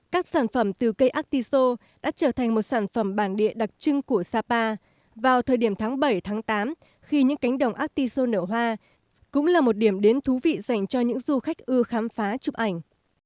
các sản phẩm từ cây artiso đã trở thành một sản phẩm bản địa đặc trưng của sapa vào thời điểm tháng bảy tám khi những cánh đồng artiso nở hoa cũng là một điểm đến thú vị dành cho những du khách ưa khám phá chụp ảnh